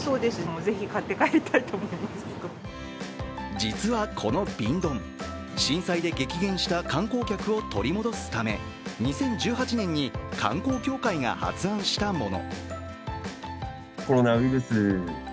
実はこの瓶ドン、震災で激減した観光客を取り戻すため２０１８年に観光協会が発案したもの。